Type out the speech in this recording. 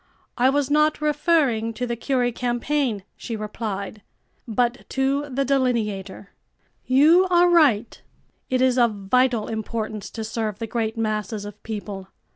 "I was not referring to the Curie campaign," she replied, "but to the Delineator. You are right; it is of vital importance to serve the great masses of people.